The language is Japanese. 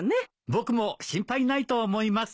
僕も心配ないと思います。